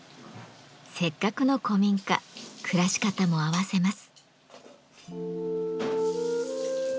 せっかくの古民家暮らし方も合わせます。